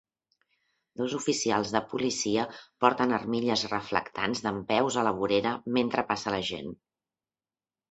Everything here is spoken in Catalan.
Dos oficials de policia porten armilles reflectants dempeus a la vorera mentre passa la gent.